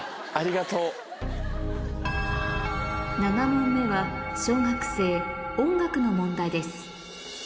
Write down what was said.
７問目は小学生音楽の問題です